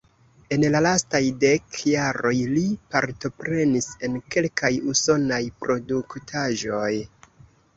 En la lastaj dek jaroj li partoprenis en kelkaj usonaj produktaĵoj.